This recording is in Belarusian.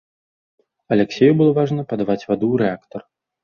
Аляксею было важна падаваць ваду ў рэактар.